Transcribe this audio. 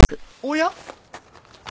おや？